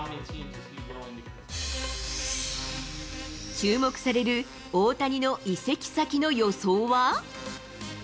注目される、大谷の移籍先の予想は？